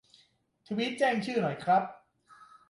ทวีตแจ้งชื่อหน่อยครับ